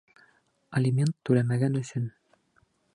Алимент түләмәгән өсөн